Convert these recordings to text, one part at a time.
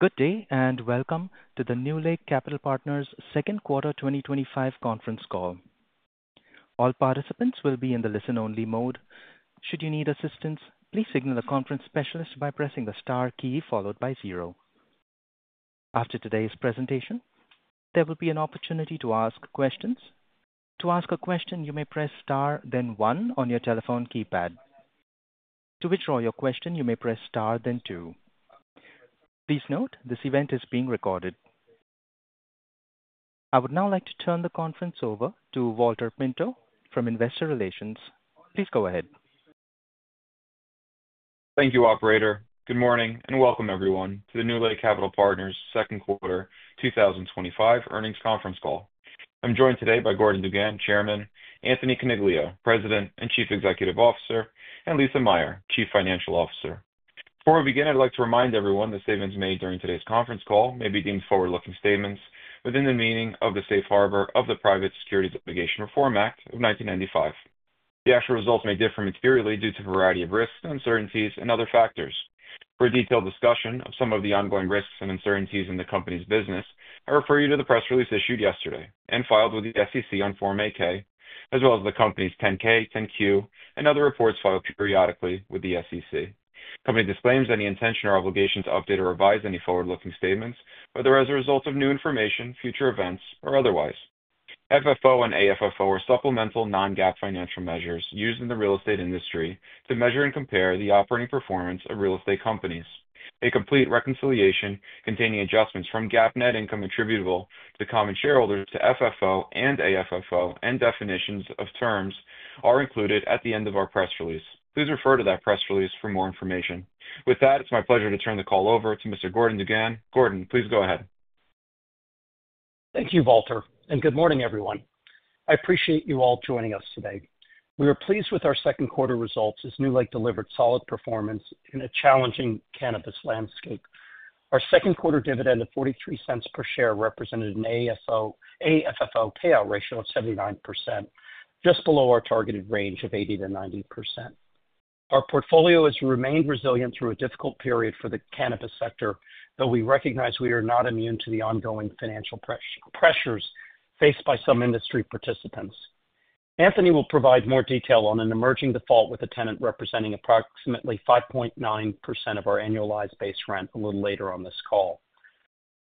Good day and welcome to the NewLake Capital Partners Second Quarter 2025 Conference Call. All participants will be in the listen-only mode. Should you need assistance, please signal the conference specialist by pressing the star key followed by zero. After today's presentation, there will be an opportunity to ask questions. To ask a question, you may press star, then one on your telephone keypad. To withdraw your question, you may press star, then two. Please note this event is being recorded. I would now like to turn the conference over to Valter Pinto from Investor Relations. Please go ahead. Thank you, operator. Good morning and welcome everyone to the NewLake Capital Partners Second Quarter 2025 Earnings Conference Call. I'm joined today by Gordon DuGan, Chairman, Anthony Coniglio, President and Chief Executive Officer, and Lisa Meyer, Chief Financial Officer. Before we begin, I'd like to remind everyone that statements made during today's conference call may be deemed forward-looking statements within the meaning of the Safe Harbor of the Private Securities Litigation Reform Act of 1995. Actual results may differ materially due to a variety of risks, uncertainties, and other factors. For a detailed discussion of some of the ongoing risks and uncertainties in the company's business, I refer you to the press release issued yesterday and filed with the SEC on Form 8-K, as well as the company's 10-K, 10-Q, and other reports filed periodically with the SEC. The company disclaims any intention or obligation to update or revise any forward-looking statements, whether as a result of new information, future events, or otherwise. FFO and AFFO are supplemental non-GAAP financial measures used in the real estate industry to measure and compare the operating performance of real estate companies. A complete reconciliation containing adjustments from GAAP net income attributable to common shareholders to FFO and AFFO and definitions of terms are included at the end of our press release. Please refer to that press release for more information. With that, it's my pleasure to turn the call over to Mr. Gordon DuGan. Gordon, please go ahead. Thank you, Valter, and good morning everyone. I appreciate you all joining us today. We are pleased with our second quarter results as NewLake delivered solid performance in a challenging cannabis landscape. Our second quarter dividend of $0.43 per share represented an AFFO payout ratio of 79%, just below our targeted range of 80%-90%. Our portfolio has remained resilient through a difficult period for the cannabis sector, but we recognize we are not immune to the ongoing financial pressures faced by some industry participants. Anthony will provide more detail on an emerging default with a tenant representing approximately 5.9% of our annualized base rent a little later on this call.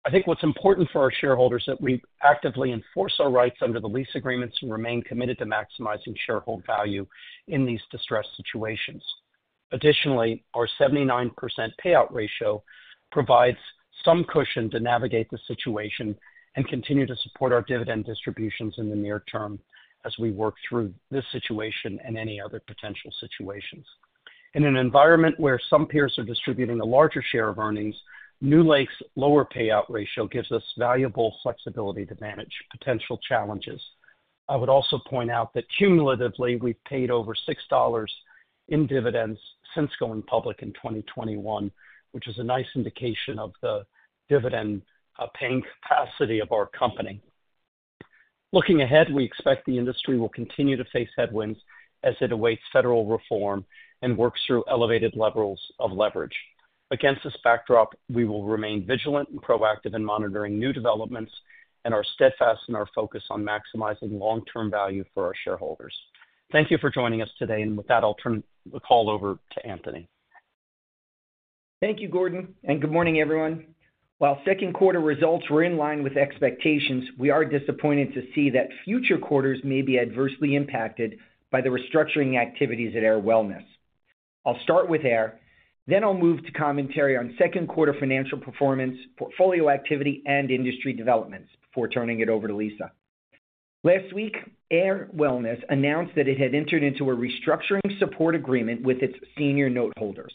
I think what's important for our shareholders is that we actively enforce our rights under the lease agreements and remain committed to maximizing shareholder value in these distressed situations. Additionally, our 79% payout ratio provides some cushion to navigate the situation and continue to support our dividend distributions in the near term as we work through this situation and any other potential situations. In an environment where some peers are distributing a larger share of earnings, NewLake's lower payout ratio gives us valuable flexibility to manage potential challenges. I would also point out that cumulatively we've paid over $6 in dividends since going public in 2021, which is a nice indication of the dividend paying capacity of our company. Looking ahead, we expect the industry will continue to face headwinds as it awaits federal reform and works through elevated levels of leverage. Against this backdrop, we will remain vigilant and proactive in monitoring new developments and are steadfast in our focus on maximizing long-term value for our shareholders. Thank you for joining us today, and with that, I'll turn the call over to Anthony. Thank you, Gordon, and good morning everyone. While second quarter results were in line with expectations, we are disappointed to see that future quarters may be adversely impacted by the restructuring activities at AYR Wellness. I'll start with AYR, then I'll move to commentary on second quarter financial performance, portfolio activity, and industry developments before turning it over to Lisa. Last week, AYR Wellness announced that it had entered into a restructuring support agreement with its senior noteholders.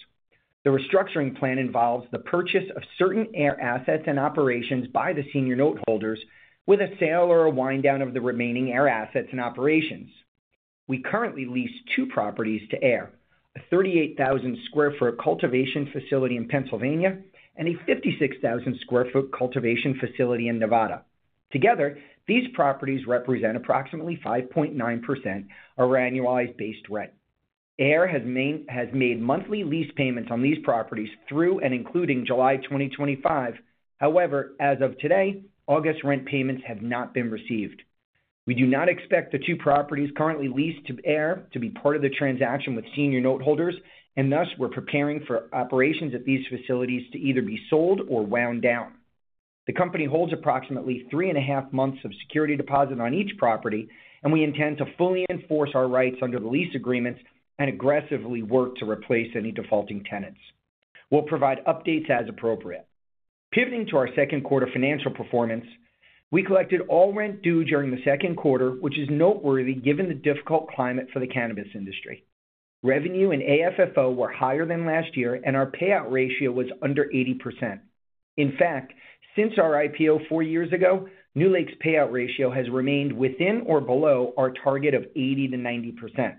The restructuring plan involves the purchase of certain AYR assets and operations by the senior noteholders with a sale or a wind-down of the remaining AYR assets and operations. We currently lease two properties to AYR: a 38,000 sq ft cultivation facility in Pennsylvania and a 56,000 sq ft cultivation facility in Nevada. Together, these properties represent approximately 5.9% of our annualized base rent. AYR has made monthly lease payments on these properties through and including July 2025, however, as of today, August rent payments have not been received. We do not expect the two properties currently leased to AYR to be part of the transaction with senior noteholders, and thus we're preparing for operations at these facilities to either be sold or wound down. The company holds approximately three and a half months of security deposit on each property, and we intend to fully enforce our rights under the lease agreements and aggressively work to replace any defaulting tenants. We'll provide updates as appropriate. Pivoting to our second quarter financial performance, we collected all rent due during the second quarter, which is noteworthy given the difficult climate for the cannabis industry. Revenue and AFFO were higher than last year, and our payout ratio was under 80%. In fact, since our IPO four years ago, NewLake's payout ratio has remained within or below our target of 80%-90%.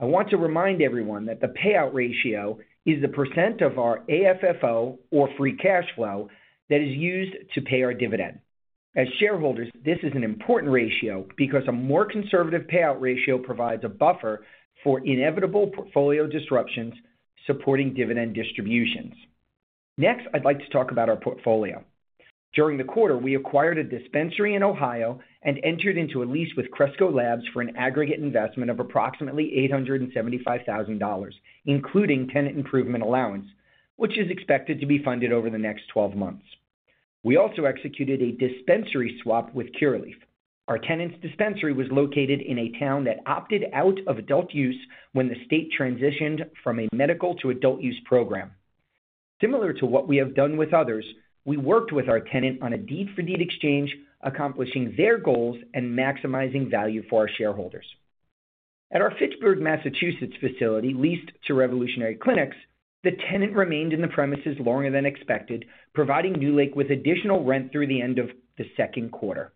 I want to remind everyone that the payout ratio is the percent of our AFFO, or free cash flow, that is used to pay our dividend. As shareholders, this is an important ratio because a more conservative payout ratio provides a buffer for inevitable portfolio disruptions supporting dividend distributions. Next, I'd like to talk about our portfolio. During the quarter, we acquired a dispensary in Ohio and entered into a lease with Cresco Labs for an aggregate investment of approximately $875,000, including tenant improvement allowance, which is expected to be funded over the next 12 months. We also executed a dispensary swap with Curaleaf. Our tenant's dispensary was located in a town that opted out of adult use when the state transitioned from a medical to adult use program. Similar to what we have done with others, we worked with our tenant on a deed-for-deed exchange, accomplishing their goals and maximizing value for our shareholders. At our Fitchburg, Massachusetts facility leased to Revolutionary Clinics, the tenant remained in the premises longer than expected, providing NewLake with additional rent through the end of the second quarter.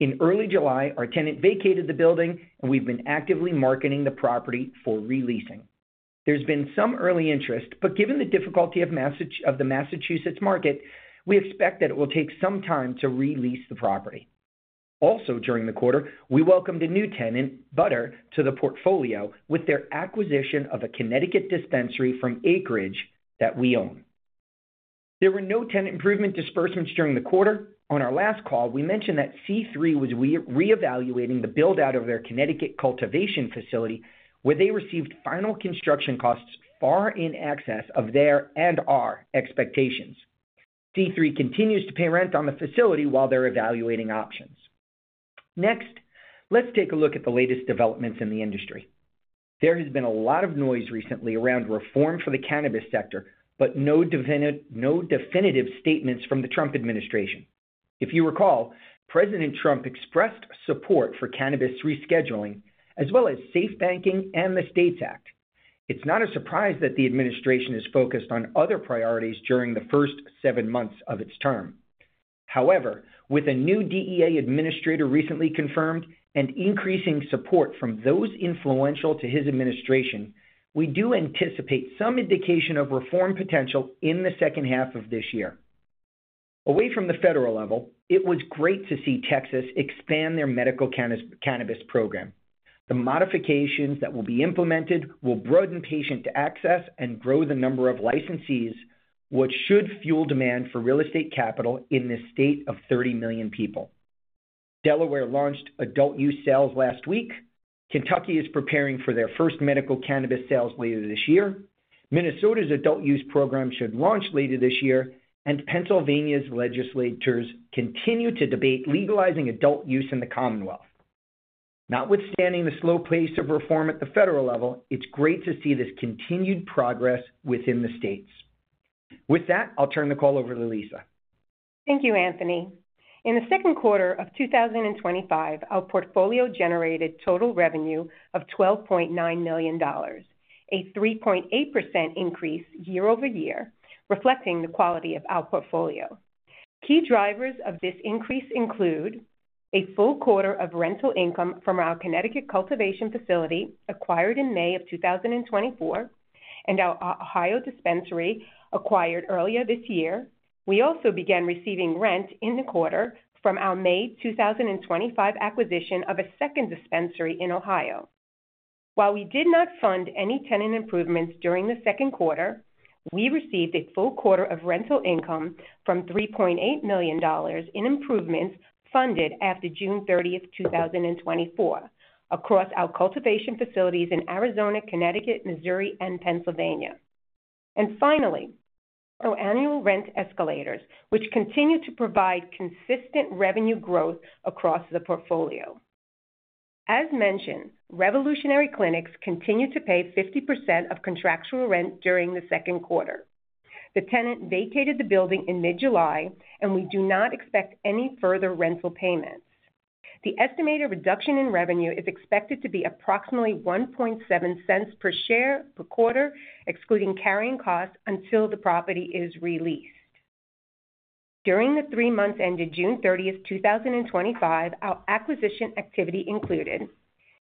In early July, our tenant vacated the building, and we've been actively marketing the property for releasing. There's been some early interest, but given the difficulty of the Massachusetts market, we expect that it will take some time to release the property. Also, during the quarter, we welcomed a new tenant, Budr, to the portfolio with their acquisition of a Connecticut dispensary from Acreage that we own. There were no tenant improvement disbursements during the quarter. On our last call, we mentioned that C3 was reevaluating the build-out of their Connecticut cultivation facility, where they received final construction costs far in excess of their and our expectations. C3 continues to pay rent on the facility while they're evaluating options. Next, let's take a look at the latest developments in the industry. There has been a lot of noise recently around reform for the cannabis sector, but no definitive statements from the Trump administration. If you recall, President Trump expressed support for cannabis rescheduling, as well as Safe Banking and the STATES Act. It's not a surprise that the administration is focused on other priorities during the first seven months of its term. However, with a new DEA administrator recently confirmed and increasing support from those influential to his administration, we do anticipate some indication of reform potential in the second half of this year. Away from the federal level, it was great to see Texas expand their medical cannabis program. The modifications that will be implemented will broaden patient access and grow the number of licensees, which should fuel demand for real estate capital in this state of 30 million people. Delaware launched adult use sales last week. Kentucky is preparing for their first medical cannabis sales later this year. Minnesota's adult use program should launch later this year, and Pennsylvania's legislators continue to debate legalizing adult use in the Commonwealth. Notwithstanding the slow pace of reform at the federal level, it's great to see this continued progress within the states. With that, I'll turn the call over to Lisa. Thank you, Anthony. In the second quarter of 2025, our portfolio generated a total revenue of $12.9 million, a 3.8% increase year-over-year, reflecting the quality of our portfolio. Key drivers of this increase include a full quarter of rental income from our Connecticut cultivation facility acquired in May of 2024 and our Ohio dispensary acquired earlier this year. We also began receiving rent in the quarter from our May 2025 acquisition of a second dispensary in Ohio. While we did not fund any tenant improvements during the second quarter, we received a full quarter of rental income from $3.8 million in improvements funded after June 30th, 2024, across our cultivation facilities in Arizona, Connecticut, Missouri, and Pennsylvania. Our annual rent escalators continue to provide consistent revenue growth across the portfolio. As mentioned, Revolutionary Clinics continued to pay 50% of contractual rent during the second quarter. The tenant vacated the building in mid-July, and we do not expect any further rental payments. The estimated reduction in revenue is expected to be approximately $0.017 per share per quarter, excluding carrying costs until the property is released. During the three months ended June 30th, 2025, our acquisition activity included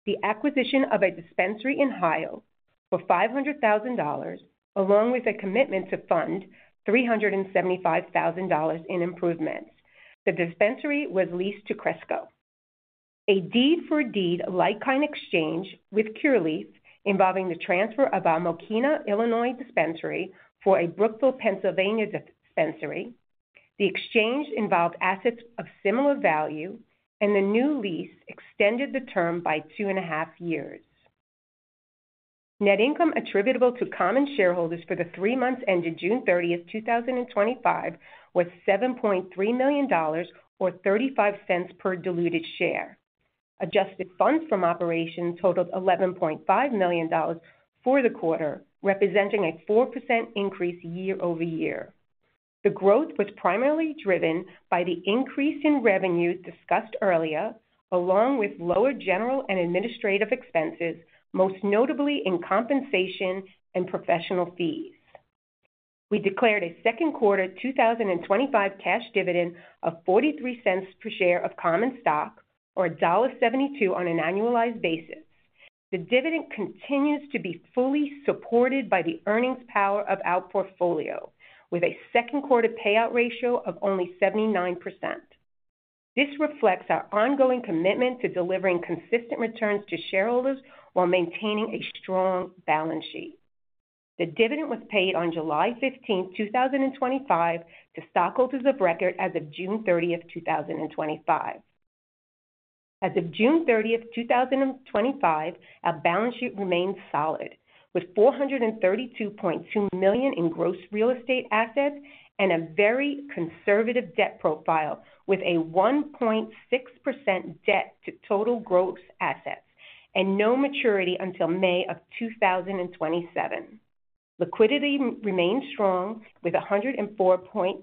the acquisition of a dispensary in Ohio for $500,000, along with a commitment to fund $375,000 in improvements. The dispensary was leased to Cresco. A deed-for-deed like kind exchange with Curaleaf involving the transfer of our Mokena, Illinois dispensary for a Brookville, Pennsylvania dispensary. The exchange involved assets of similar value, and the new lease extended the term by two and a half years. Net income attributable to common shareholders for the three months ended June 30th, 2025, was $7.3 million or $0.35 per diluted share. Adjusted funds from operations totaled $11.5 million for the quarter, representing a 4% increase year-over-year. The growth was primarily driven by the increase in revenue discussed earlier, along with lower general and administrative expenses, most notably in compensation and professional fees. We declared a second quarter 2025 cash dividend of $0.43 per share of common stock, or $1.72 on an annualized basis. The dividend continues to be fully supported by the earnings power of our portfolio, with a second quarter payout ratio of only 79%. This reflects our ongoing commitment to delivering consistent returns to shareholders while maintaining a strong balance sheet. The dividend was paid on July 15th, 2025, to stockholders of record as of June 30th, 2025. As of June 30th, 2025, our balance sheet remains solid, with $432.2 million in gross real estate assets and a very conservative debt profile, with a 1.6% debt to total gross assets and no maturity until May of 2027. Liquidity remains strong, with $104.3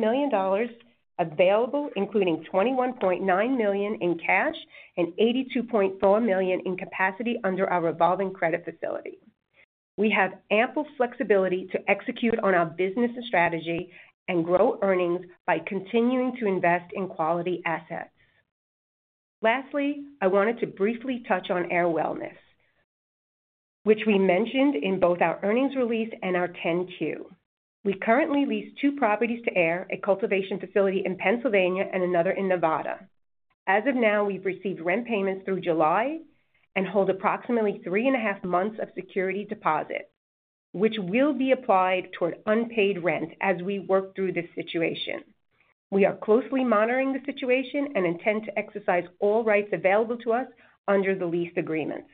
million available, including $21.9 million in cash and $82.4 million in capacity under our revolving credit facility. We have ample flexibility to execute on our business strategy and grow earnings by continuing to invest in quality assets. Lastly, I wanted to briefly touch on AYR Wellness, which we mentioned in both our earnings release and our 10-Q. We currently lease two properties to AYR, a cultivation facility in Pennsylvania and another in Nevada. As of now, we've received rent payments through July and hold approximately three and a half months of security deposit, which will be applied toward unpaid rent as we work through this situation. We are closely monitoring the situation and intend to exercise all rights available to us under the lease agreements.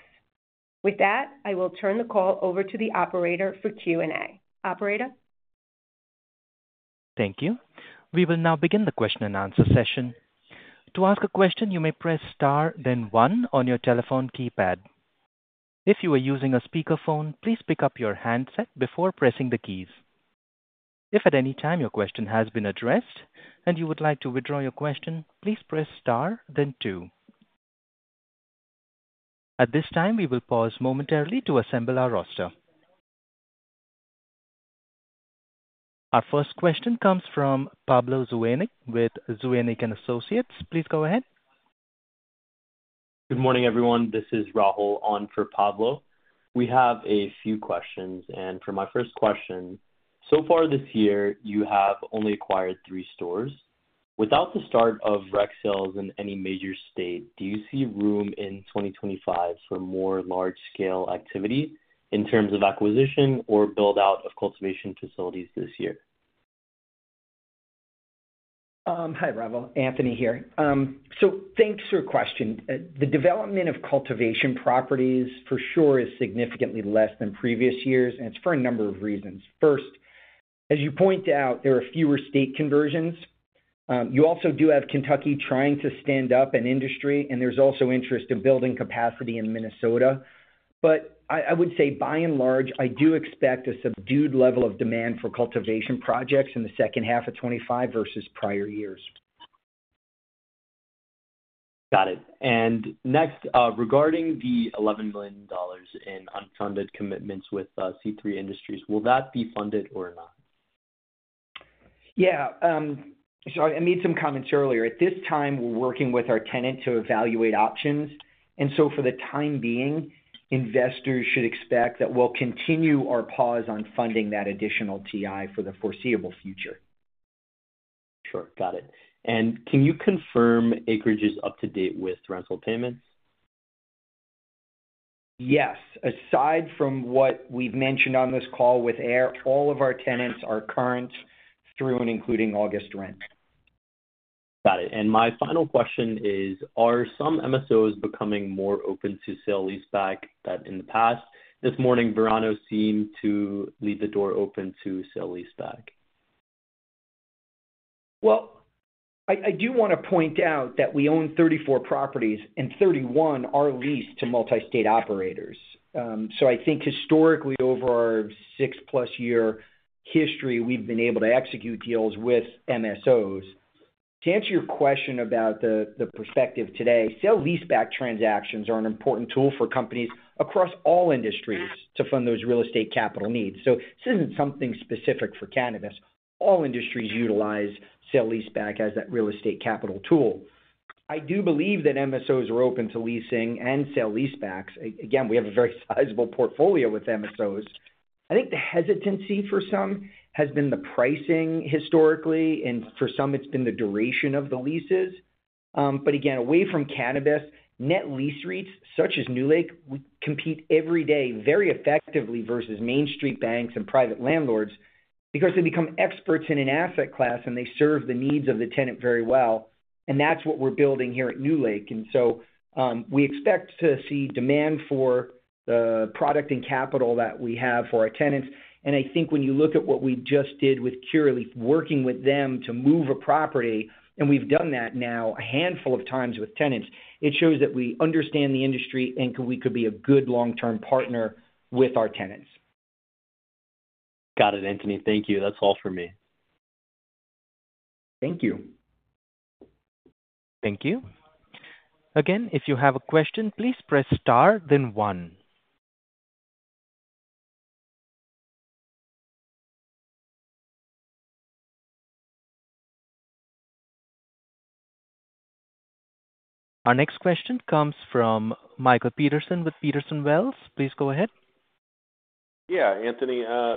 With that, I will turn the call over to the operator for Q&A. Operator? Thank you. We will now begin the question and answer session. To ask a question, you may press star, then one on your telephone keypad. If you are using a speakerphone, please pick up your handset before pressing the keys. If at any time your question has been addressed and you would like to withdraw your question, please press star, then two. At this time, we will pause momentarily to assemble our roster. Our first question comes from Pablo Zuanic with Zuanic & Associates. Please go ahead. Good morning everyone. This is Rahul on for Pablo. We have a few questions, and for my first question, so far this year, you have only acquired three stores. Without the start of rec sales in any major state, do you see room in 2025 for more large-scale activity in terms of acquisition or build-out of cultivation facilities this year? Hi Rahul, Anthony here. Thanks for your question. The development of cultivation properties for sure is significantly less than previous years, and it's for a number of reasons. First, as you point out, there are fewer state conversions. You also do have Kentucky trying to stand up an industry, and there's also interest in building capacity in Minnesota. I would say by and large, I do expect a subdued level of demand for cultivation projects in the second half of 2025 versus prior years. Got it. Next, regarding the $11 million in unfunded commitments with C3 Industries, will that be funded or not? Sorry, I made some comments earlier. At this time, we're working with our tenant to evaluate options, and for the time being, investors should expect that we'll continue our pause on funding that additional TI for the foreseeable future. Sure, got it. Can you confirm Acreage is up to date with rental payments? Yes, aside from what we've mentioned on this call with AYR, all of our tenants are current through and including August rent. Got it. My final question is, are some MSOs becoming more open to sale-leaseback than in the past? This morning, Verano seemed to leave the door open to sale-leaseback. I do want to point out that we own 34 properties, and 31 are leased to multi-state operators. I think historically, over our 6+ year history, we've been able to execute deals with MSOs. To answer your question about the perspective today, sale-leaseback transactions are an important tool for companies across all industries to fund those real estate capital needs. This isn't something specific for cannabis. All industries utilize sale-leaseback as that real estate capital tool. I do believe that MSOs are open to leasing and sale-leasebacks. Again, we have a very sizable portfolio with MSOs. I think the hesitancy for some has been the pricing historically, and for some, it's been the duration of the leases. Away from cannabis, net lease rates such as NewLake, we compete every day very effectively versus Main Street banks and private landlords because they become experts in an asset class and they serve the needs of the tenant very well. That's what we're building here at NewLake. We expect to see demand for the product and capital that we have for our tenants. I think when you look at what we just did with Curaleaf, working with them to move a property, and we've done that now a handful of times with tenants, it shows that we understand the industry and we could be a good long-term partner with our tenants. Got it, Anthony. Thank you. That's all for me. Thank you. Thank you. Again, if you have a question, please press star, then one. Our next question comes from Michael Peterson with Wells Fargo. Please go ahead. Yeah, Anthony, I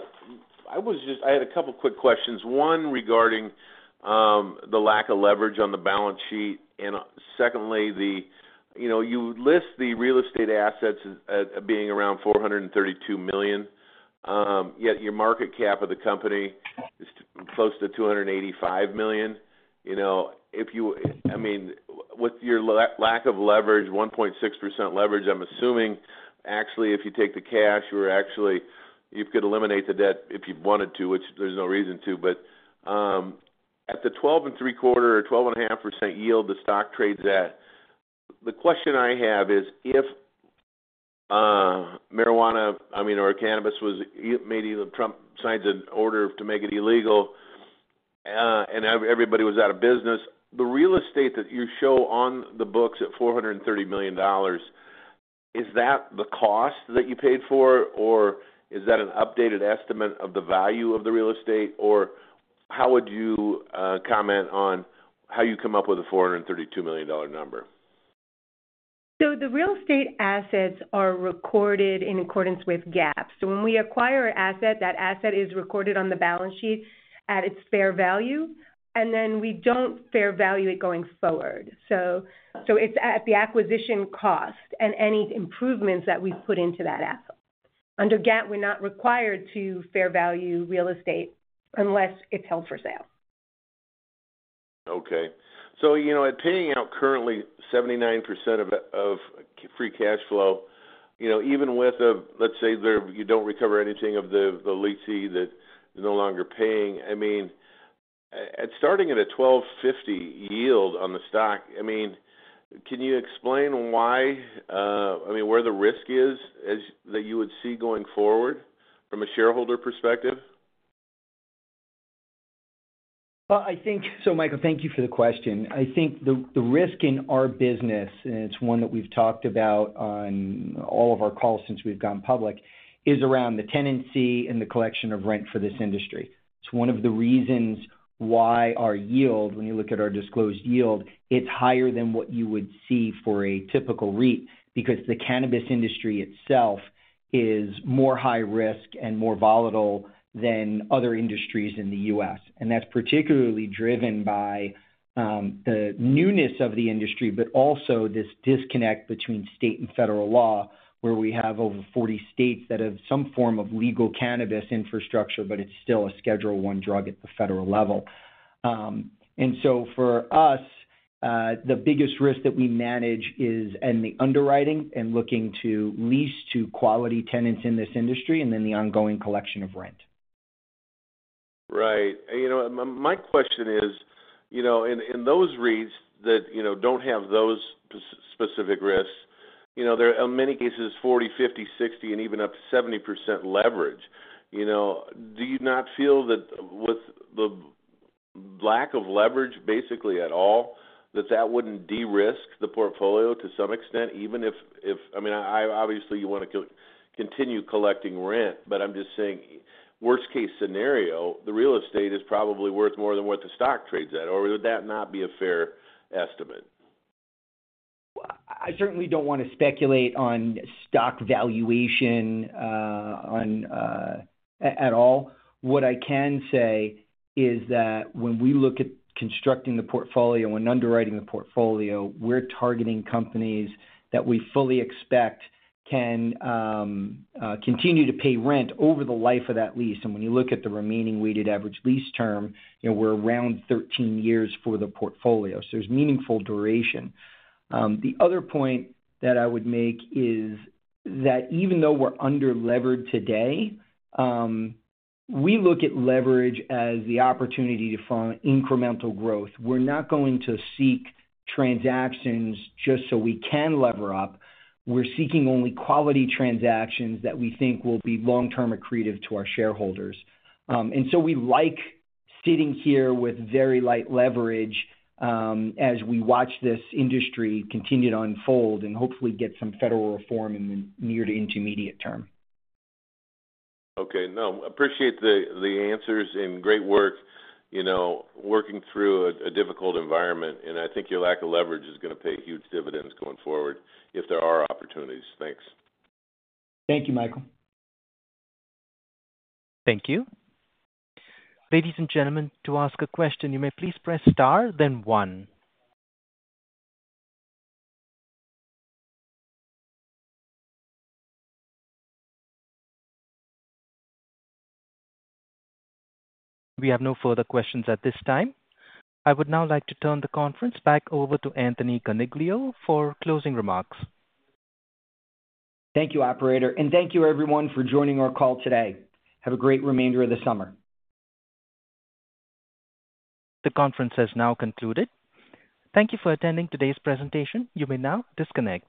had a couple of quick questions. One regarding the lack of leverage on the balance sheet. Secondly, you list the real estate assets as being around $432 million, yet your market cap of the company is close to $285 million. If you, I mean, with your lack of leverage, 1.6% leverage, I'm assuming actually if you take the cash, you could eliminate the debt if you wanted to, which there's no reason to. At the 12.75% or 12.5% yield, the stock trades at. The question I have is if marijuana, I mean, or cannabis was, maybe Trump signs an order to make it illegal and everybody was out of business. The real estate that you show on the books at $430 million, is that the cost that you paid for, or is that an updated estimate of the value of the real estate? How would you comment on how you come up with a $432 million number? The real estate assets are recorded in accordance with GAAP. When we acquire an asset, that asset is recorded on the balance sheet at its fair value, and then we don't fair value it going forward. It's at the acquisition cost and any improvements that we've put into that asset. Under GAAP, we're not required to fair value real estate unless it's held for sale. Okay. It's paying out currently 79% of free cash flow. Even with, let's say you don't recover anything of the lessee that is no longer paying, starting at a $12.50 yield on the stock, can you explain why, where the risk is that you would see going forward from a shareholder perspective? Michael, thank you for the question. I think the risk in our business, and it's one that we've talked about on all of our calls since we've gone public, is around the tenancy and the collection of rent for this industry. One of the reasons why our yield, when you look at our disclosed yield, it's higher than what you would see for a typical REIT because the cannabis industry itself is more high risk and more volatile than other industries in the U.S. That's particularly driven by the newness of the industry, but also this disconnect between state and federal law, where we have over 40 states that have some form of legal cannabis infrastructure, but it's still a Schedule I drug at the federal level. For us, the biggest risk that we manage is the underwriting and looking to lease to quality tenants in this industry and then the ongoing collection of rent. Right. My question is, in those REITs that don't have those specific risks, there are many cases 40%, 50%, 60%, and even up to 70% leverage. Do you not feel that with the lack of leverage basically at all, that that wouldn't de-risk the portfolio to some extent, even if, I mean, I obviously want to continue collecting rent, but I'm just saying worst case scenario, the real estate is probably worth more than what the stock trades at, or would that not be a fair estimate? I certainly don't want to speculate on stock valuation at all. What I can say is that when we look at constructing the portfolio and underwriting the portfolio, we're targeting companies that we fully expect can continue to pay rent over the life of that lease. When you look at the remaining weighted average lease term, you know, we're around 13 years for the portfolio. There's meaningful duration. The other point that I would make is that even though we're under-leveraged today, we look at leverage as the opportunity to fund incremental growth. We're not going to seek transactions just so we can lever up. We're seeking only quality transactions that we think will be long-term accretive to our shareholders. We like sitting here with very light leverage as we watch this industry continue to unfold and hopefully get some federal reform in the near to intermediate term. Okay. I appreciate the answers and great work, you know, working through a difficult environment. I think your lack of leverage is going to pay huge dividends going forward if there are opportunities. Thanks. Thank you, Michael. Thank you. Ladies and gentlemen, to ask a question, you may please press star, then one. We have no further questions at this time. I would now like to turn the conference back over to Anthony Coniglio for closing remarks. Thank you, operator, and thank you everyone for joining our call today. Have a great remainder of the summer. The conference has now concluded. Thank you for attending today's presentation. You may now disconnect.